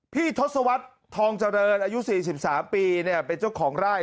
ทศวรรษทองเจริญอายุ๔๓ปีเป็นเจ้าของไร่